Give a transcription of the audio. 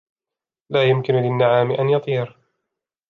لا يمكن للنعام أن يطير.